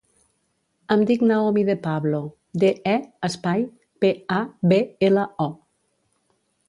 Em dic Naomi De Pablo: de, e, espai, pe, a, be, ela, o.